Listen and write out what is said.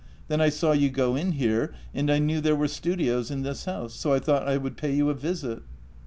Then I saw you go in here, and I knew there were studios in this house, so I thought I would pay you a visit."